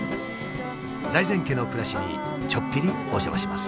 財前家の暮らしにちょっぴりお邪魔します。